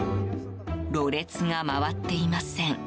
ろれつが回っていません。